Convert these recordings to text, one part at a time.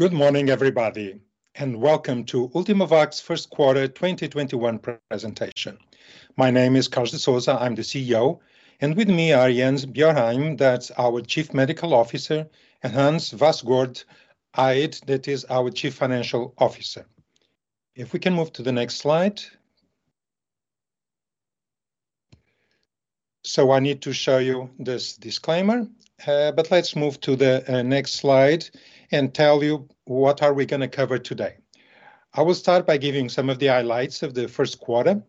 Good morning, everybody, welcome to Ultimovacs first quarter 2021 presentation. My name is Carlos de Sousa, I'm the CEO. With me are Jens Bjørheim, that's our Chief Medical Officer, and Hans Vassgård Eid, that is our Chief Financial Officer. If we can move to the next slide. I need to show you this disclaimer. Let's move to the next slide and tell you what are we going to cover today. I will start by giving some of the highlights of the first quarter.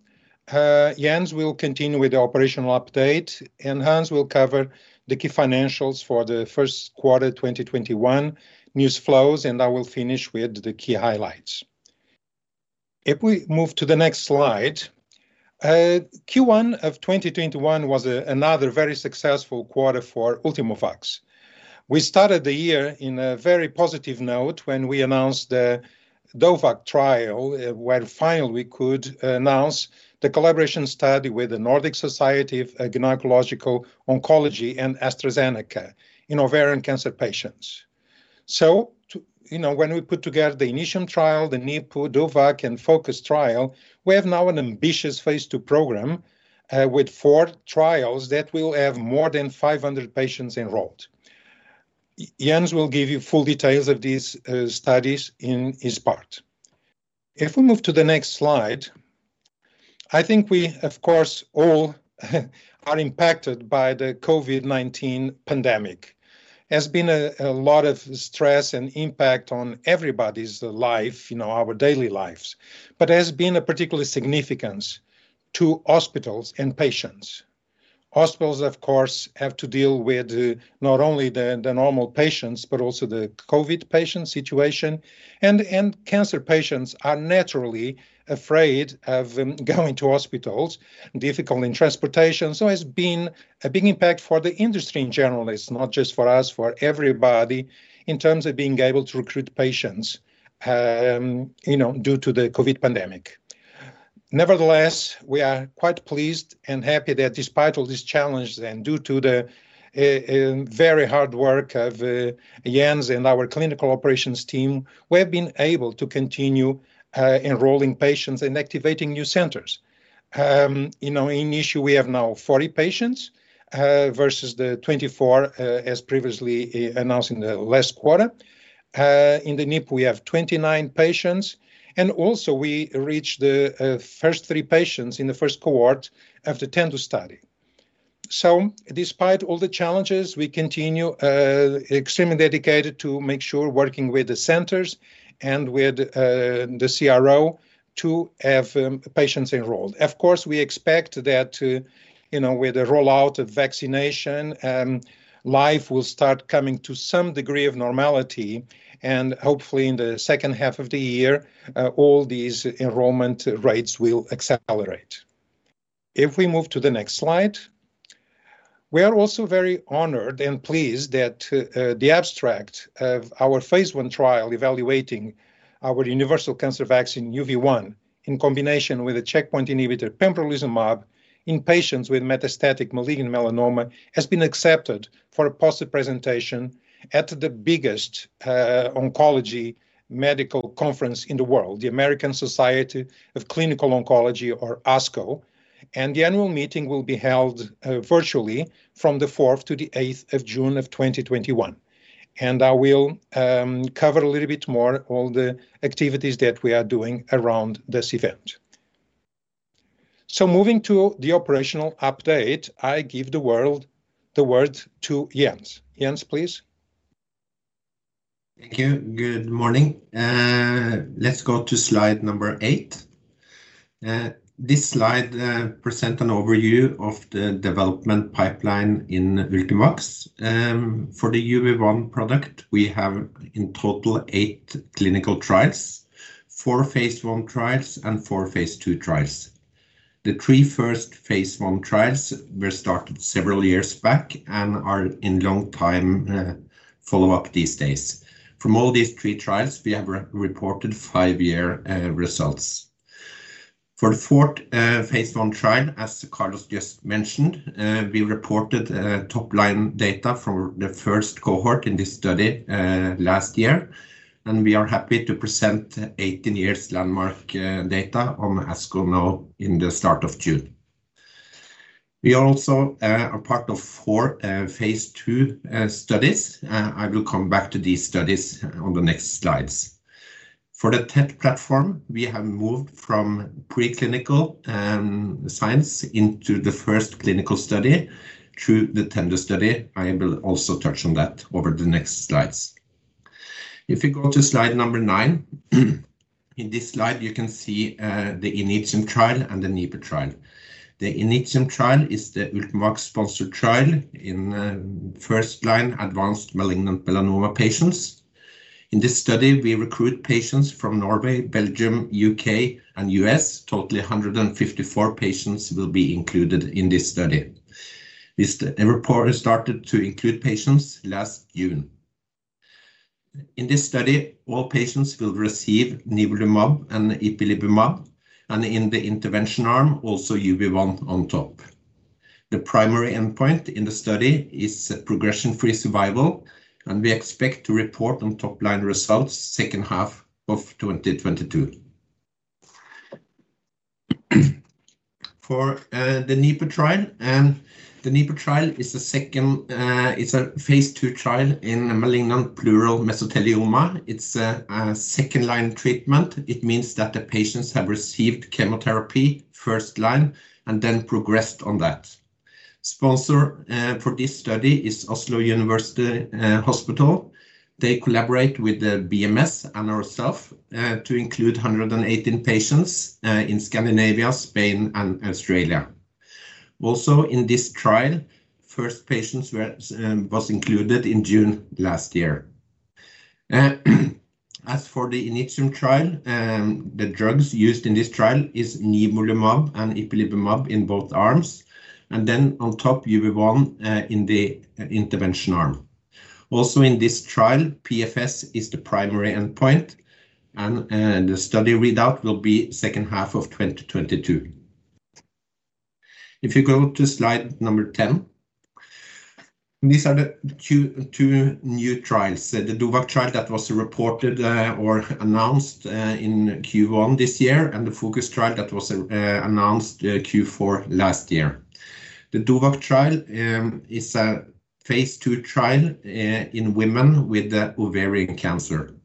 Jens will continue with the operational update, and Hans will cover the key financials for the first quarter 2021 news flows, and I will finish with the key highlights. If we move to the next slide. Q1 of 2021 was another very successful quarter for Ultimovacs. We started the year in a very positive note when we announced the DOVACC trial, where finally we could announce the collaboration study with the Nordic Society of Gynaecological Oncology and AstraZeneca in ovarian cancer patients. When we put together the INITIUM trial, the NIPU, DOVACC, and FOCUS trial, we have now an ambitious phase II program with four trials that will have more than 500 patients enrolled. Jens will give you full details of these studies in his part. If we move to the next slide. I think we, of course, all are impacted by the COVID-19 pandemic. It has been a lot of stress and impact on everybody's life, our daily lives. It has been a particular significance to hospitals and patients. Hospitals, of course, have to deal with not only the normal patients but also the COVID-19 patient situation. Cancer patients are naturally afraid of going to hospitals, difficult in transportation. Has been a big impact for the industry in general. It's not just for us, for everybody, in terms of being able to recruit patients due to the COVID-19 pandemic. Nevertheless, we are quite pleased and happy that despite all these challenges and due to the very hard work of Jens and our clinical operations team, we have been able to continue enrolling patients and activating new centers. In INITIUM we have now 40 patients versus the 24 as previously announced in the last quarter. In the NIPU we have 29 patients. Also we reached the first three patients in the first cohort of the TENDU study. Despite all the challenges, we continue extremely dedicated to make sure working with the centers and with the CRO to have patients enrolled. Of course, we expect that with the rollout of vaccination, life will start coming to some degree of normality, and hopefully in the second half of the year, all these enrollment rates will accelerate. If we move to the next slide. We are also very honored and pleased that the abstract of our phase I trial evaluating our universal cancer vaccine UV1 in combination with the checkpoint inhibitor pembrolizumab in patients with metastatic malignant melanoma has been accepted for a poster presentation at the biggest oncology medical conference in the world, the American Society of Clinical Oncology, or ASCO. The annual meeting will be held virtually from June 4th-8th, 2021. I will cover a little bit more all the activities that we are doing around this event. Moving to the operational update, I give the word to Jens. Jens, please. Thank you. Good morning. Let's go to slide number eight. This slide present an overview of the development pipeline in Ultimovacs. For the UV1 product, we have in total eight clinical trials, four phase I trials and four phase II trials. The three first phase I trials were started several years back and are in long time follow-up these days. From all these three trials, we have reported five-year results. For the fourth phase I trial, as Carlos just mentioned, we reported top line data for the first cohort in this study last year. We are happy to present 18 months landmark data on ASCO now in the start of June. We are also a part of four phase II studies. I will come back to these studies on the next slides. For the TET platform, we have moved from preclinical science into the first clinical study through the TENDU study. I will also touch on that over the next slides. If we go to slide number nine. In this slide, you can see the INITIUM trial and the NIPU trial. The INITIUM trial is the Ultimovacs-sponsored trial in first line advanced malignant melanoma patients. In this study, we recruit patients from Norway, Belgium, U.K., and U.S. Totally 154 patients will be included in this study. This report started to include patients last June. In this study, all patients will receive nivolumab and ipilimumab, and in the intervention arm, also UV1 on top. The primary endpoint in the study is progression-free survival, and we expect to report on top-line results second half of 2022. For the NIPU trial, the NIPU trial is a phase II trial in malignant pleural mesothelioma. It's a second-line treatment. It means that the patients have received chemotherapy first line and then progressed on that. Sponsor for this study is Oslo University Hospital. They collaborate with BMS and ourself to include 118 patients in Scandinavia, Spain, and Australia. In this trial, first patients was included in June last year. For the INITIUM trial, the drugs used in this trial is nivolumab and ipilimumab in both arms, and then on top UV1 in the intervention arm. In this trial, PFS is the primary endpoint, and the study readout will be second half of 2022. If you go to slide number 10, these are the two new trials, the DOVACC trial that was reported or announced in Q1 this year, and the FOCUS trial that was announced Q4 last year. The DOVACC trial is a phase II trial in women with ovarian cancer.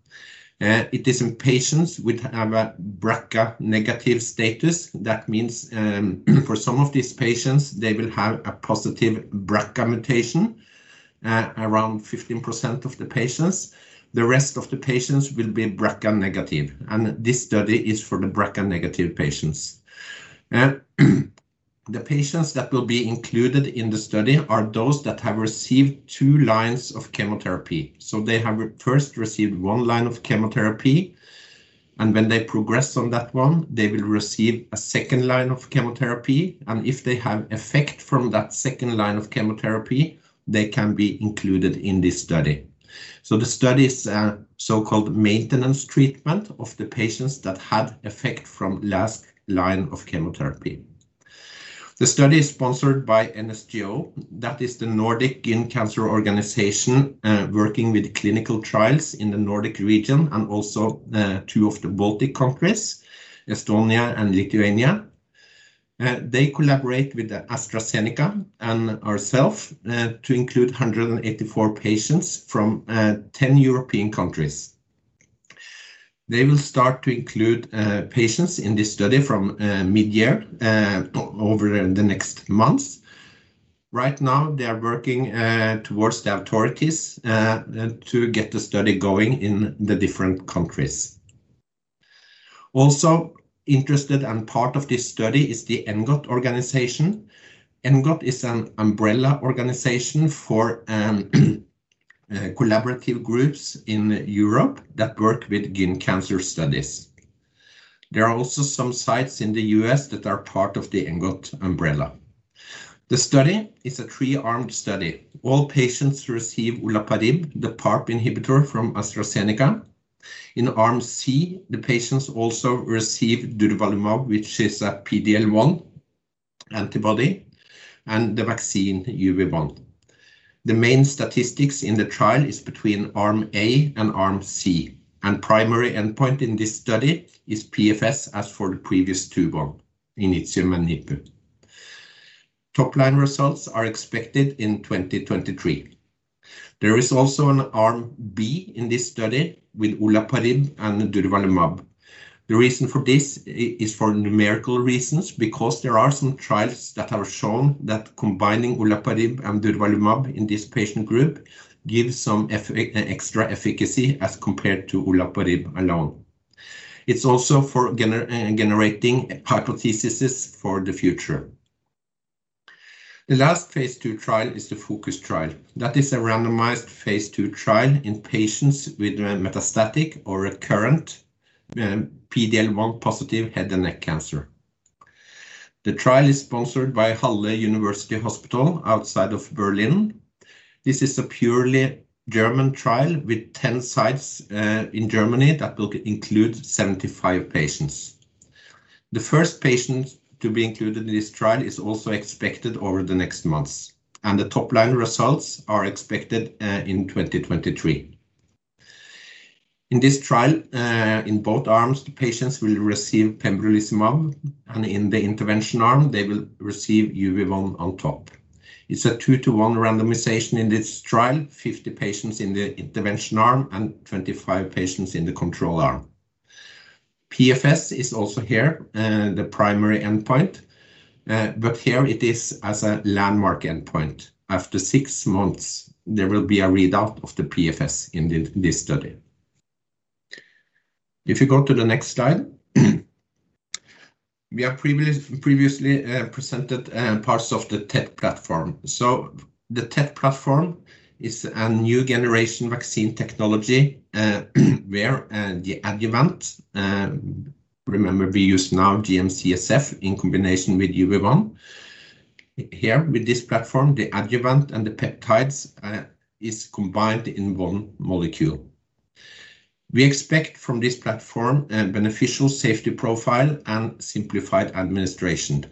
It is in patients which have a BRCA negative status. That means for some of these patients, they will have a positive BRCA mutation, around 15% of the patients. The rest of the patients will be BRCA negative, and this study is for the BRCA negative patients. The patients that will be included in the study are those that have received two lines of chemotherapy. They have first received one line of chemotherapy, and when they progress on that one, they will receive a second line of chemotherapy, and if they have effect from that second line of chemotherapy, they can be included in this study. The study is a so-called maintenance treatment of the patients that had effect from last line of chemotherapy. The study is sponsored by NSGO, that is the Nordic Gynaecological Cancer Organization, working with clinical trials in the Nordic region and also the two of the Baltic countries, Estonia and Lithuania. They collaborate with AstraZeneca and ourselves to include 184 patients from 10 European countries. They will start to include patients in this study from mid-year over the next months. Right now, they are working towards the authorities to get the study going in the different countries. Also interested and part of this study is the ENGOT organization. ENGOT is an umbrella organization for collaborative groups in Europe that work with gynaecological cancer studies. There are also some sites in the U.S. that are part of the ENGOT umbrella. The study is a three-armed study. All patients receive olaparib, the PARP inhibitor from AstraZeneca. In arm C, the patients also receive durvalumab, which is a PD-L1 antibody, and the vaccine UV1. The main statistics in the trial is between arm A and arm C, and primary endpoint in this study is PFS as for the previous two, INITIUM and NIPU. Top-line results are expected in 2023. There is also an arm B in this study with olaparib and durvalumab. The reason for this is for numerical reasons, because there are some trials that have shown that combining olaparib and durvalumab in this patient group gives some extra efficacy as compared to olaparib alone. It's also for generating hypotheses for the future. The last phase II trial is the FOCUS trial. That is a randomized phase II trial in patients with metastatic or recurrent PD-L1 positive head and neck cancer. The trial is sponsored by Halle University Hospital (Saale) outside of Berlin. This is a purely German trial with 10 sites in Germany that will include 75 patients. The first patient to be included in this trial is also expected over the next months, and the top-line results are expected in 2023. In this trial, in both arms, the patients will receive pembrolizumab, and in the intervention arm, they will receive UV1 on top. It's a 2:1 randomization in this trial, 50 patients in the intervention arm and 25 patients in the control arm. PFS is also here the primary endpoint, but here it is as a landmark endpoint. After six months, there will be a readout of the PFS in this study. If you go to the next slide. We have previously presented parts of the TET platform. The TET platform is a new generation vaccine technology where the adjuvant, remember we use now GM-CSF in combination with UV1. With this platform, the adjuvant and the peptides is combined in one molecule. We expect from this platform a beneficial safety profile and simplified administration.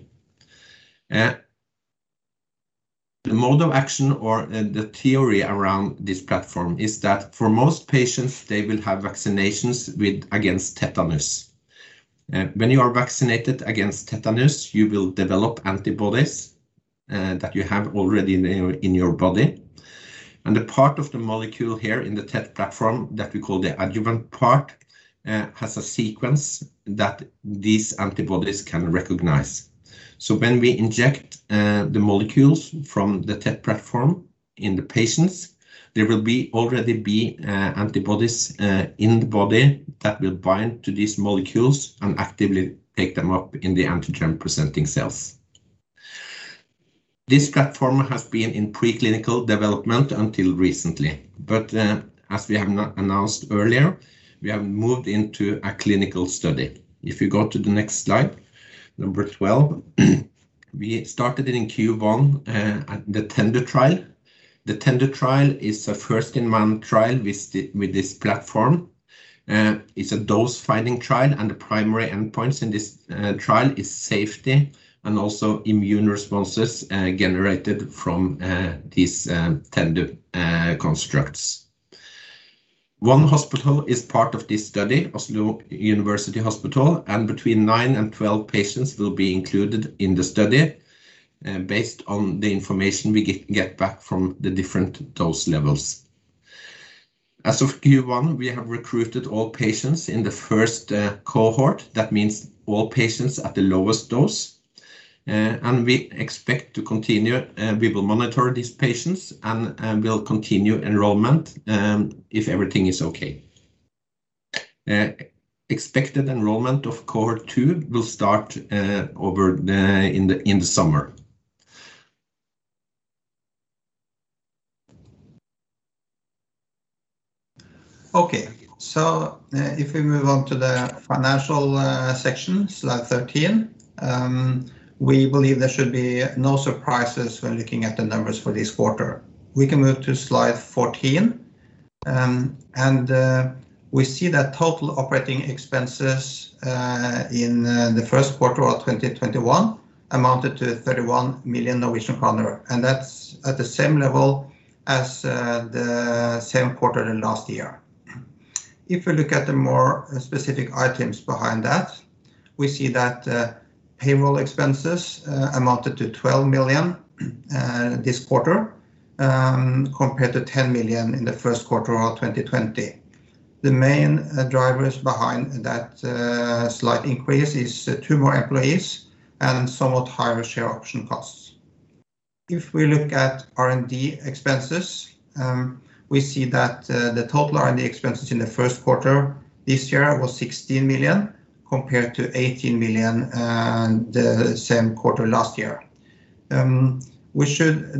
The mode of action or the theory around this platform is that for most patients, they will have vaccinations against tetanus. When you are vaccinated against tetanus, you will develop antibodies that you have already in your body. The part of the molecule here in the TET platform that we call the adjuvant part has a sequence that these antibodies can recognize. When we inject the molecules from the TET platform in the patients, there will already be antibodies in the body that will bind to these molecules and actively take them up in the antigen-presenting cells. This platform has been in preclinical development until recently. As we have announced earlier, we have moved into a clinical study. If you go to the next slide, number 12. We started in Q1 the TENDU trial. The TENDU trial is a first-in-man trial with this platform. It's a dose-finding trial, and the primary endpoints in this trial is safety and also immune responses generated from these TENDU constructs. One hospital is part of this study, Oslo University Hospital, and between nine and 12 patients will be included in the study based on the information we get back from the different dose levels. As of Q1, we have recruited all patients in the first cohort. That means all patients at the lowest dose. We expect to continue. We will monitor these patients, and we will continue enrollment if everything is okay. Expected enrollment of cohort 2 will start in the summer. If we move on to the financial section, slide 13. We believe there should be no surprises when looking at the numbers for this quarter. We can move to slide 14. We see that total operating expenses in the first quarter of 2021 amounted to 31 million Norwegian kroner, and that's at the same level as the same quarter in last year. If we look at the more specific items behind that, we see that payroll expenses amounted to 12 million this quarter, compared to 10 million in the first quarter of 2020. The main drivers behind that slight increase is two more employees and somewhat higher share option costs. If we look at R&D expenses, we see that the total R&D expenses in the first quarter this year was 16 million, compared to 18 million the same quarter last year. We should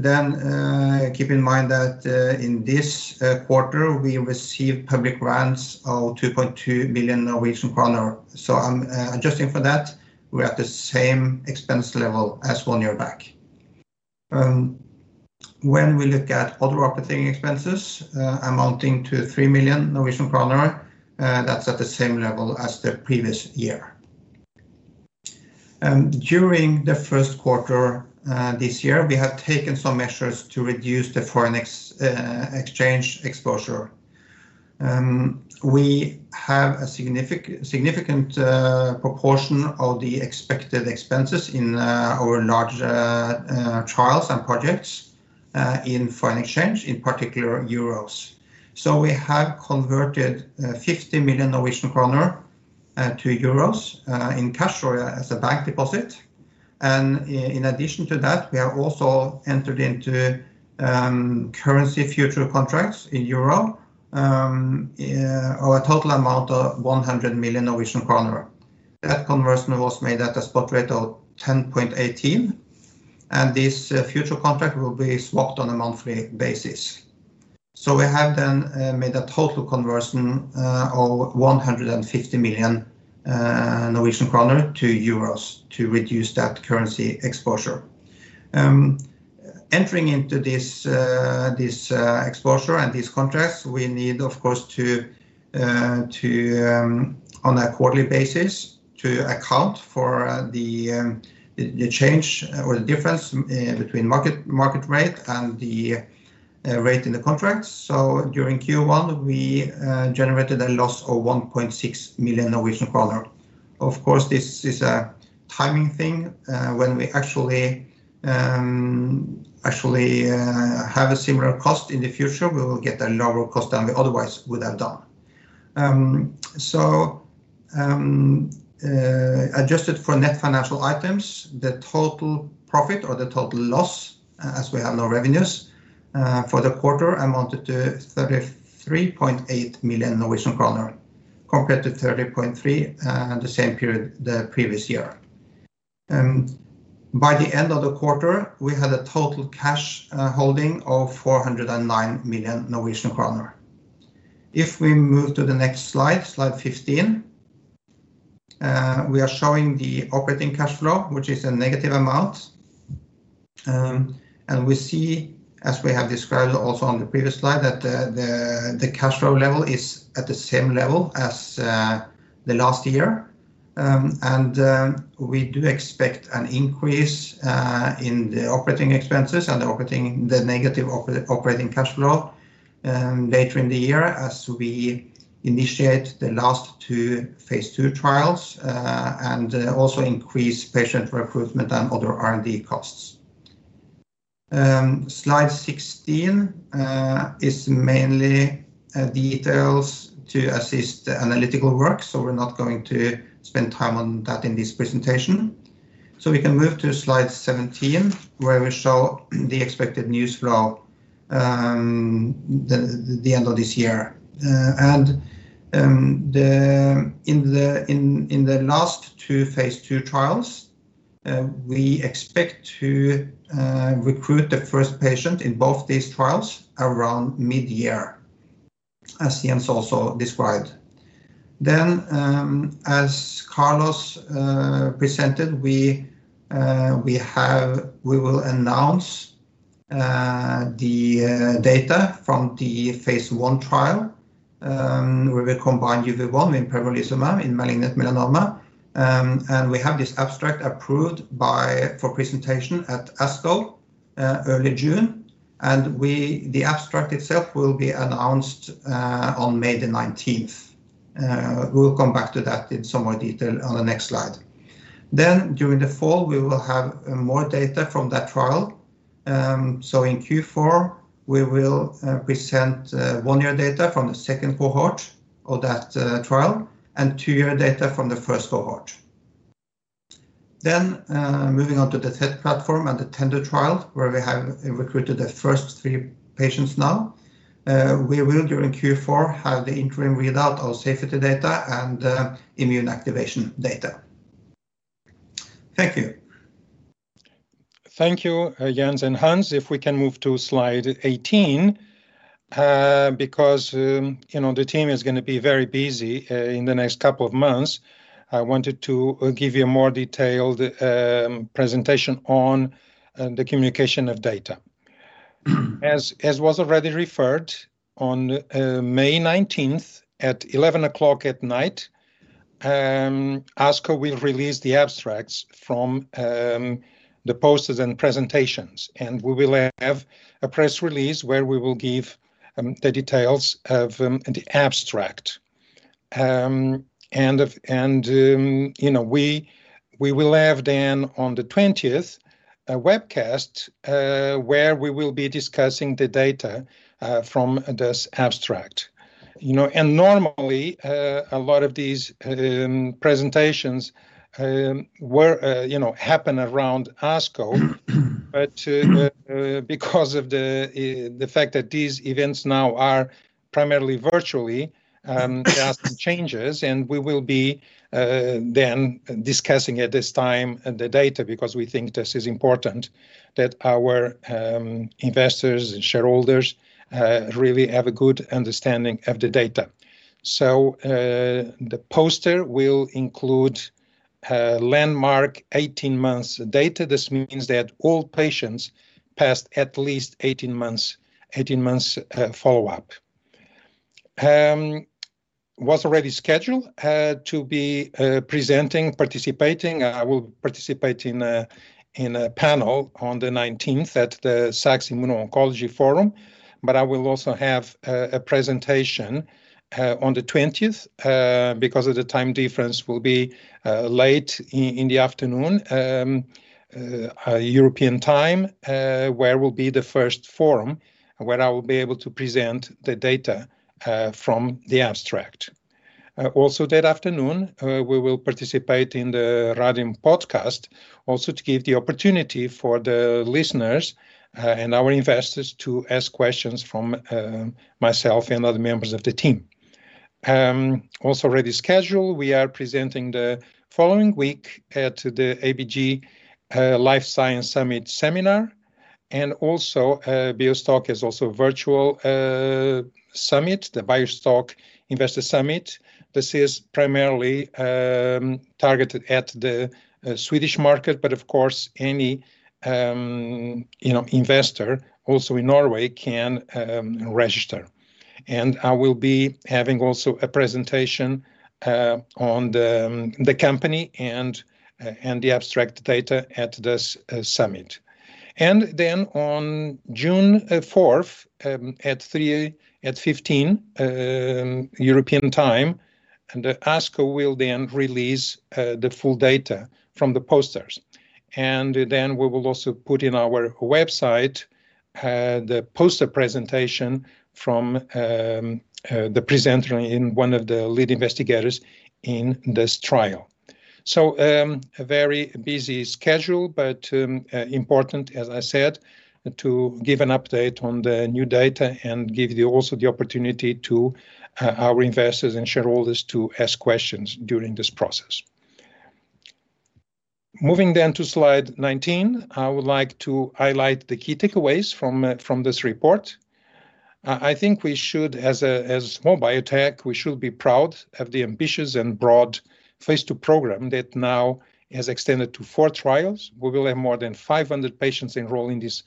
keep in mind that in this quarter, we received public grants of 2.2 million Norwegian kroner. Adjusting for that, we are at the same expense level as one year back. When we look at other operating expenses amounting to 3 million Norwegian kroner, that's at the same level as the previous year. During the first quarter this year, we have taken some measures to reduce the foreign exchange exposure. We have a significant proportion of the expected expenses in our large trials and projects in foreign exchange, in particular EUR. We have converted 50 million Norwegian kroner to EUR in cash or as a bank deposit. In addition to that, we are also entered into currency future contracts in EUR of a total amount of 100 million Norwegian kroner. That conversion was made at a spot rate of 10.18, this future contract will be swapped on a monthly basis. We have then made a total conversion of 150 million Norwegian kroner to EUR to reduce that currency exposure. Entering into this exposure and these contracts, we need, of course, on a quarterly basis, to account for the change or the difference between market rate and the rate in the contract. During Q1, we generated a loss of 1.6 million Norwegian kroner. Of course, this is a timing thing. When we actually have a similar cost in the future, we will get a lower cost than we otherwise would have done. Adjusted for net financial items, the total profit or the total loss, as we have no revenues for the quarter, amounted to 33.8 million Norwegian kroner compared to 30.3 million the same period the previous year. By the end of the quarter, we had a total cash holding of 409 million Norwegian kroner. If we move to the next slide 15, we are showing the operating cash flow, which is a negative amount. We see, as we have described also on the previous slide, that the cash flow level is at the same level as the last year. We do expect an increase in the operating expenses and the negative operating cash flow later in the year as we initiate the last two phase II trials, and also increase patient recruitment and other R&D costs. Slide 16 is mainly details to assist the analytical work, we're not going to spend time on that in this presentation. We can move to slide 17, where we show the expected news flow the end of this year. In the last two phase II trials, we expect to recruit the first patient in both these trials around mid-year, as Jens also described. As Carlos presented, we will announce the data from the phase I trial, where we combine UV1 with pembrolizumab in malignant melanoma. We have this abstract approved for presentation at ASCO early June. The abstract itself will be announced on May 19th. We'll come back to that in some more detail on the next slide. During the fall, we will have more data from that trial. In Q4, we will present one-year data from the second cohort of that trial and two-year data from the first cohort. Moving on to the TET platform and the TENDU trial where we have recruited the first three patients now. We will, during Q4, have the interim readout of safety data and immune activation data. Thank you. Thank you, Jens and Hans. If we can move to slide 18. The team is going to be very busy in the next couple of months, I wanted to give you a more detailed presentation on the communication of data. As was already referred, on May 19th at 11:00 P.M., ASCO will release the abstracts from the posters and presentations, and we will have a press release where we will give the details of the abstract. We will have then on the 20th a webcast, where we will be discussing the data from this abstract. Normally, a lot of these presentations happen around ASCO. Because of the fact that these events now are primarily virtually, there are some changes and we will be then discussing at this time the data because we think this is important that our investors and shareholders really have a good understanding of the data. The poster will include landmark 18 months data. This means that all patients passed at least 18 months follow-up. I was already scheduled to be presenting, participating. I will participate in a panel on the 19th at the Sachs Immuno-Oncology Forum, but I will also have a presentation on the 20th. Because of the time difference will be late in the afternoon European time, where will be the first forum where I will be able to present the data from the abstract. Also that afternoon, we will participate in the Radium podcast also to give the opportunity for the listeners and our investors to ask questions from myself and other members of the team. Also already scheduled, we are presenting the following week at the ABG Life Science Summit seminar, and also BioStock is also virtual summit, the BioStock Investor Summit. This is primarily targeted at the Swedish market, but of course, any investor also in Norway can register. I will be having also a presentation on the company and the abstract data at this summit. On June 4th at 3:15 P.M. European time, ASCO will then release the full data from the posters. We will also put in our website the poster presentation from the presenter in one of the lead investigators in this trial. A very busy schedule, but important, as I said, to give an update on the new data and give also the opportunity to our investors and shareholders to ask questions during this process. Moving then to slide 19, I would like to highlight the key takeaways from this report. I think we should, as small biotech, we should be proud of the ambitious and broad phase II program that now has extended to four trials. We will have more than 500 patients enroll in these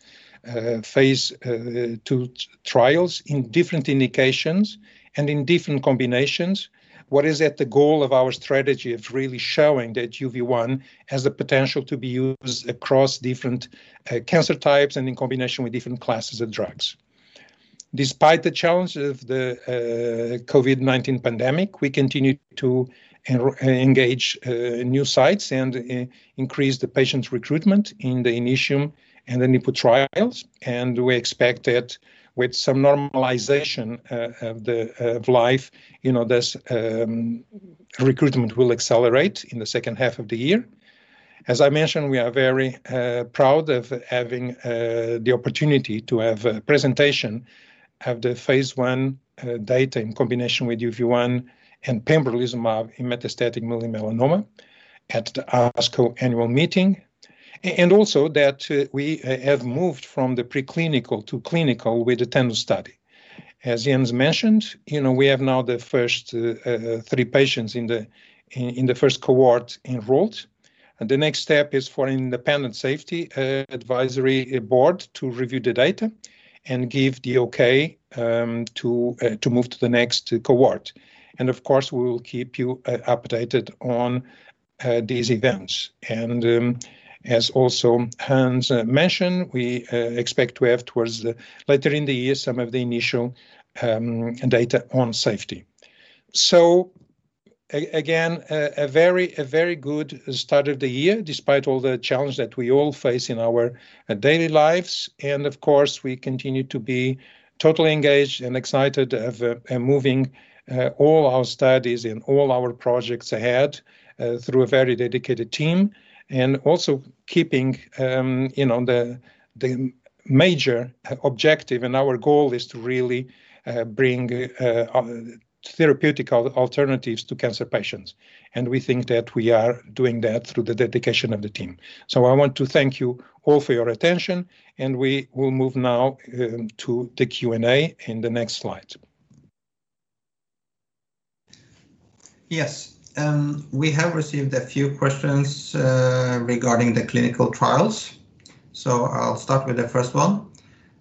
phase II trials in different indications and in different combinations. What is at the goal of our strategy of really showing that UV1 has the potential to be used across different cancer types and in combination with different classes of drugs. Despite the challenge of the COVID-19 pandemic, we continue to engage new sites and increase the patient's recruitment in the INITIUM and the NIPU trials, and we expect that with some normalization of life, this recruitment will accelerate in the second half of the year. As I mentioned, we are very proud of having the opportunity to have a presentation of the phase I data in combination with UV1 and pembrolizumab in metastatic melanoma at the ASCO annual meeting. Also that we have moved from the preclinical to clinical with the TENDU study. As Jens mentioned, we have now the first three patients in the first cohort enrolled. The next step is for an independent safety advisory board to review the data and give the okay to move to the next cohort. Of course, we will keep you updated on these events. As also Hans mentioned, we expect to have towards the later in the year, some of the INITIUM data on safety. Again, a very good start of the year despite all the challenge that we all face in our daily lives. Of course, we continue to be totally engaged and excited of moving all our studies and all our projects ahead through a very dedicated team and also keeping the major objective, and our goal is to really bring therapeutic alternatives to cancer patients. We think that we are doing that through the dedication of the team. I want to thank you all for your attention, and we will move now to the Q&A in the next slide. Yes. We have received a few questions regarding the clinical trials. I'll start with the first one.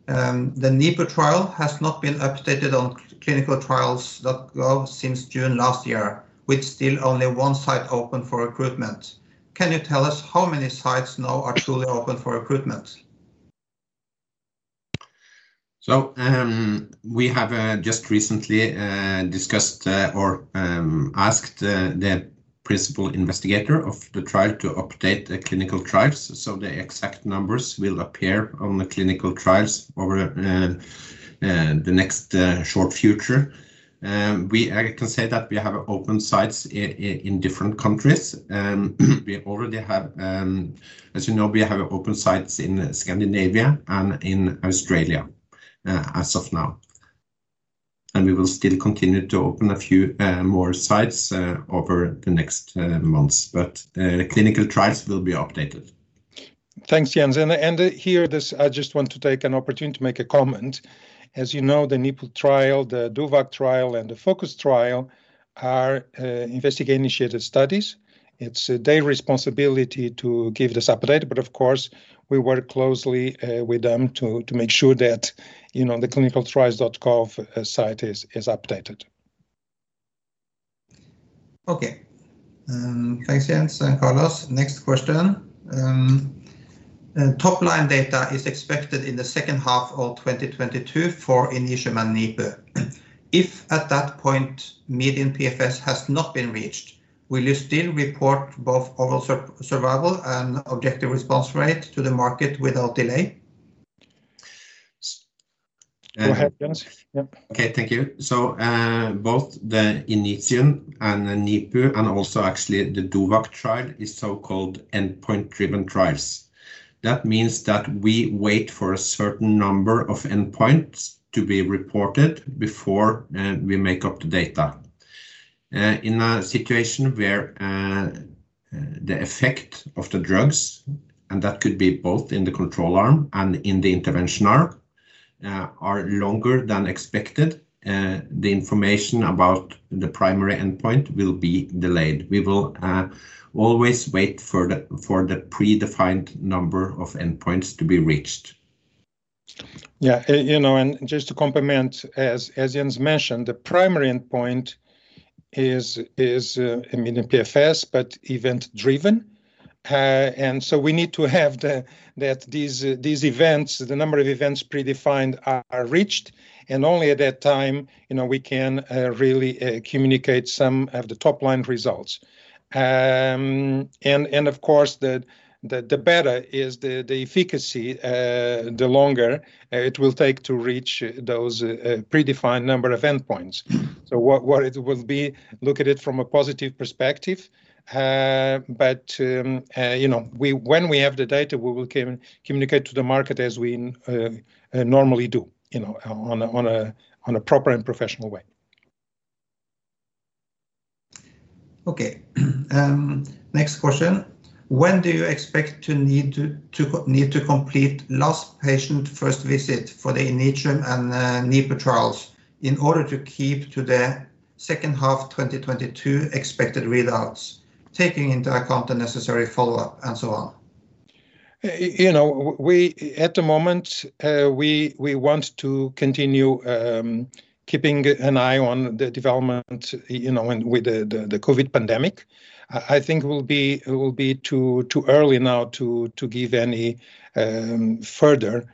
The NIPU trial has not been updated on ClinicalTrials.gov since June last year, with still only one site open for recruitment. Can you tell us how many sites now are truly open for recruitment? We have just recently discussed or asked the principal investigator of the trial to update ClinicalTrials.gov, so the exact numbers will appear on ClinicalTrials.gov over the next short future. I can say that we have open sites in different countries. We already have, as you know, we have open sites in Scandinavia and in Australia as of now. We will still continue to open a few more sites over the next months. ClinicalTrials.gov will be updated. Thanks, Jens. I just want to take an opportunity to make a comment. As you know, the NIPU trial, the DOVACC trial, and the FOCUS trial are investigator-initiated studies. It's their responsibility to give this update, but of course, we work closely with them to make sure that the ClinicalTrials.gov site is updated. Okay. Thanks, Jens and Carlos. Next question. Top-line data is expected in the second half of 2022 for INITIUM and NIPU. If at that point median PFS has not been reached, will you still report both overall survival and objective response rate to the market without delay? Go ahead, Jens. Thank you. Both the INITIUM and the NIPU, and also actually the DOVACC trial, is so-called endpoint-driven trials. That means that we wait for a certain number of endpoints to be reported before we make up the data. In a situation where the effect of the drugs, and that could be both in the control arm and in the intervention arm, are longer than expected, the information about the primary endpoint will be delayed. We will always wait for the predefined number of endpoints to be reached. Yeah. Just to complement, as Jens mentioned, the primary endpoint is median PFS, but event-driven. So we need to have these events, the number of events predefined are reached, and only at that time we can really communicate some of the top-line results. Of course, the better is the efficacy, the longer it will take to reach those predefined number of endpoints. What it will be, look at it from a positive perspective, but when we have the data, we will communicate to the market as we normally do on a proper and professional way. Okay. Next question: when do you expect to complete last patient first visit for the INITIUM and NIPU trials in order to keep to the second half 2022 expected readouts, taking into account the necessary follow-up and so on? At the moment, we want to continue keeping an eye on the development with the COVID pandemic. I think it will be too early now to give any further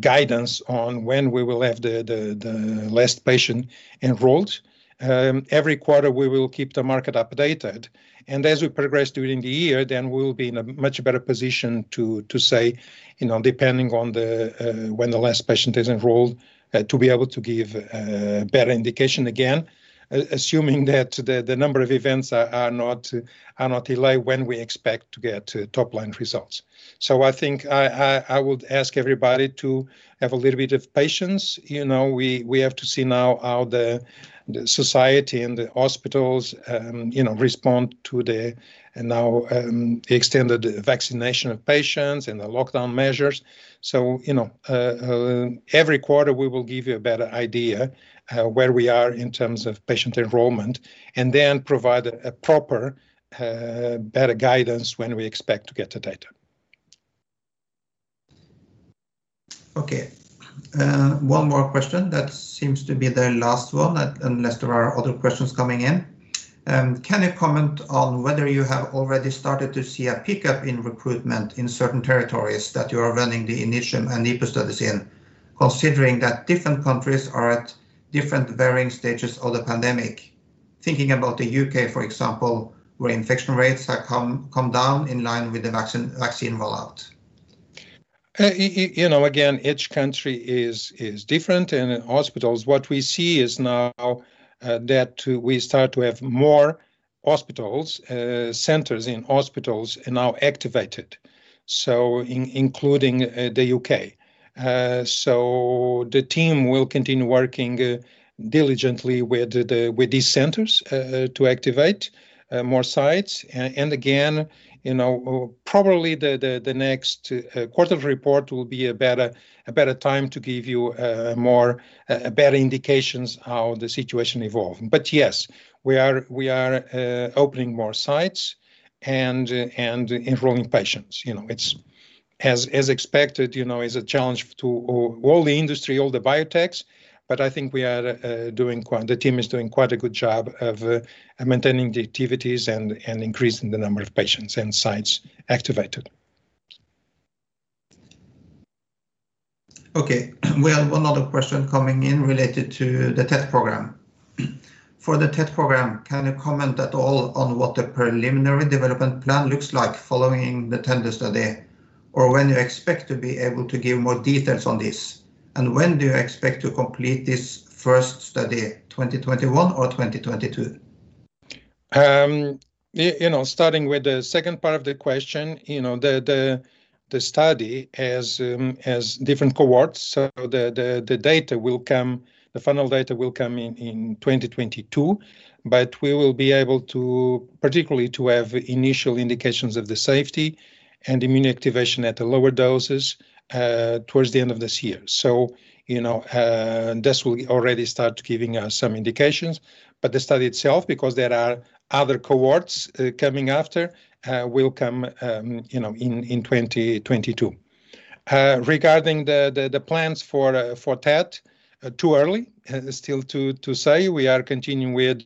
guidance on when we will have the last patient enrolled. Every quarter, we will keep the market updated. As we progress during the year, we'll be in a much better position to say, depending on when the last patient is enrolled, to be able to give a better indication again, assuming that the number of events are not delayed when we expect to get top-line results. I think I would ask everybody to have a little bit of patience. We have to see now how the society and the hospitals respond to the now extended vaccination of patients and the lockdown measures. Every quarter we will give you a better idea where we are in terms of patient enrollment, and then provide a proper, better guidance when we expect to get the data. Okay. One more question. That seems to be the last one, unless there are other questions coming in. Can you comment on whether you have already started to see a pickup in recruitment in certain territories that you are running the INITIUM and NIPU studies in, considering that different countries are at different varying stages of the pandemic? Thinking about the U.K., for example, where infection rates have come down in line with the vaccine rollout. Each country is different, and in hospitals, what we see is now that we start to have more hospitals, centers in hospitals are now activated, including the U.K. The team will continue working diligently with these centers to activate more sites. Again, probably the next quarterly report will be a better time to give you better indications how the situation evolved. Yes, we are opening more sites and enrolling patients. As expected, it's a challenge to all the industry, all the biotechs, but I think the team is doing quite a good job of maintaining the activities and increasing the number of patients and sites activated. Okay. We have one other question coming in related to the TET program. For the TET program, can you comment at all on what the preliminary development plan looks like following the TENDU study, or when you expect to be able to give more details on this? When do you expect to complete this first study, 2021 or 2022? Starting with the second part of the question, the study has different cohorts, so the final data will come in 2022. We will be able particularly to have initial indications of the safety and immune activation at lower doses towards the end of this year. This will already start giving us some indications. The study itself, because there are other cohorts coming after, will come in 2022. Regarding the plans for TET, too early still to say. We are continuing with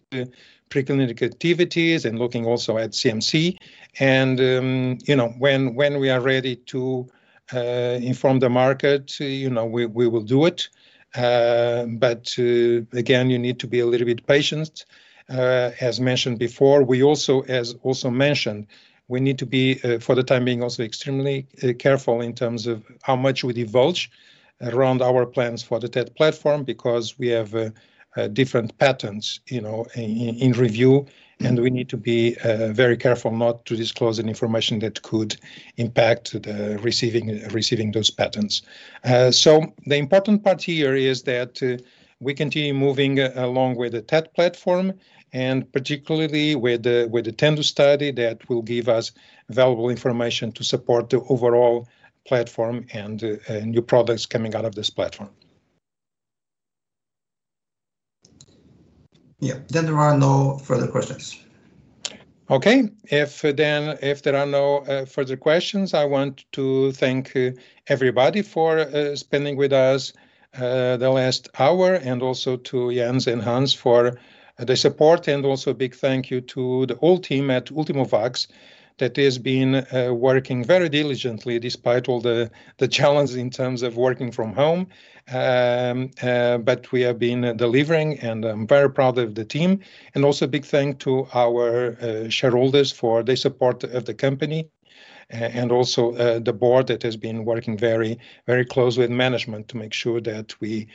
preclinical activities and looking also at CMC. When we are ready to inform the market, we will do it. Again, you need to be a little bit patient. As mentioned before, we also need to be, for the time being, also extremely careful in terms of how much we divulge around our plans for the TET platform because we have different patents in review, and we need to be very careful not to disclose any information that could impact receiving those patents. The important part here is that we continue moving along with the TET platform and particularly with the TENDU study that will give us valuable information to support the overall platform and new products coming out of this platform. Yeah. There are no further questions. Okay. If there are no further questions, I want to thank everybody for spending with us the last hour, also to Jens and Hans for the support, also a big thank you to the whole team at Ultimovacs that has been working very diligently despite all the challenges in terms of working from home. We have been delivering, I'm very proud of the team. Also a big thank to our shareholders for the support of the company, also the board that has been working very closely with management to make sure that we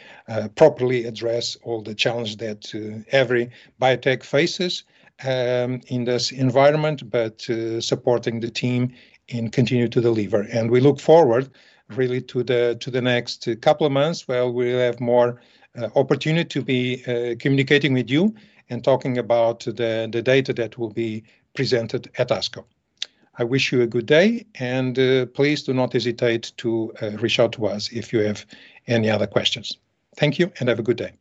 properly address all the challenges that every biotech faces in this environment, but supporting the team and continue to deliver. We look forward really to the next couple of months where we'll have more opportunity to be communicating with you and talking about the data that will be presented at ASCO. I wish you a good day, and please do not hesitate to reach out to us if you have any other questions. Thank you, and have a good day.